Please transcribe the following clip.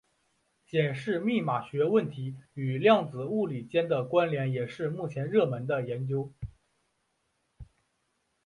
检视密码学问题与量子物理间的关连也是目前热门的研究。